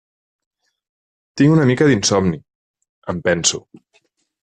Tinc una mica d'insomni, em penso.